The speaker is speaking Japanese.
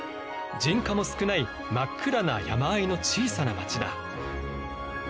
人家も少ない真っ暗な山あいの小さな町だ。